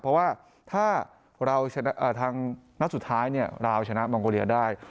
เพราะว่าถ้าทางนัดสุดท้ายราวชนะมองโกเลียได้